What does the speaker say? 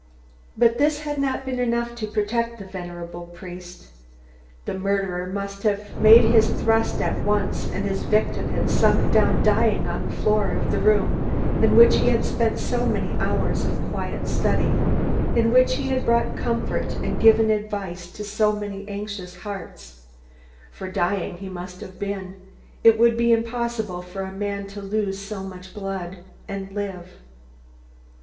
But this had not been enough to protect the venerable priest. The murderer must have made his thrust at once and his victim had sunk down dying on the floor of the room in which he had spent so many hours of quiet study, in which he had brought comfort and given advice to so many anxious hearts; for dying he must have been it would be impossible for a man to lose so much blood and live.